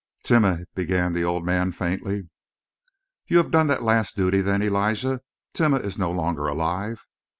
"Timeh " began the old man faintly. "You have done that last duty, then, Elijah? Timeh is no longer alive?"